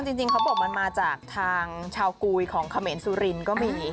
ถูกต้องจริงเขาบอกมันมาจากทางชาวกุยของขเมนสุรินก็มี